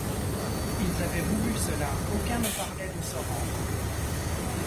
Ils avaient voulu cela, aucun ne parlait de se rendre.